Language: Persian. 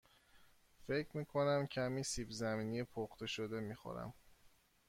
فکر می کنم کمی سیب زمینی پخته شده می خورم.